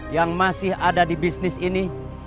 yang masih ada di bisnis ini